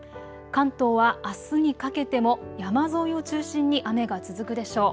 関東はあすにかけても山沿いを中心に雨が続くでしょう。